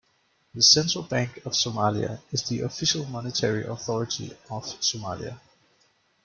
The Central Bank of Somalia is the official monetary authority of Somalia.